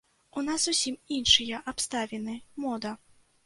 У нас зусім іншыя абставіны, мода.